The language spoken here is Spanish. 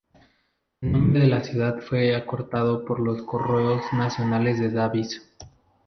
El nombre de la ciudad fue acortado por los correos nacionales a Davis.